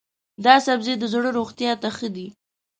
دا سبزی د زړه روغتیا ته ښه دی.